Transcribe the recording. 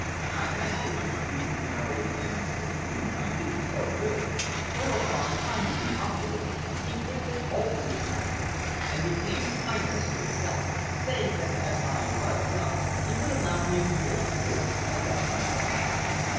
I naturally refused to marry a man of whom I knew so little, whereupon, finding me obdurate, he quickly altered his tactics and became kindness itself, saying that as I was young he would allow me a year in which to make up my mind.